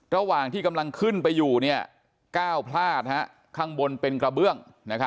ระหว่างที่กำลังขึ้นไปอยู่ก้าวพลาดข้างบนเป็นกระเบื้อง